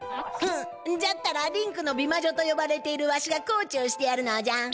ふむじゃったら「リンクの美まじょ」とよばれているわしがコーチをしてやるのじゃ。